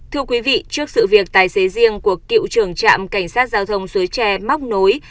thưa quý vị trước sự việc tài xế riêng của cựu trưởng trạm cảnh sát giao thông suối tre móc nối